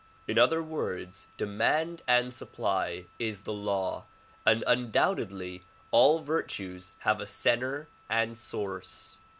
In other words demand and supply is the law and undoubtedly all virtues have a center and source.